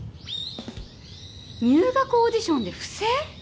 入学オーディションで不正？